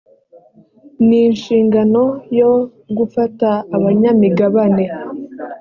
n inshingano yo gufata abanyamigabane